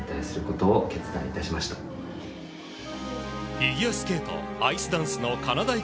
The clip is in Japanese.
フィギュアスケートアイスダンスのかなだい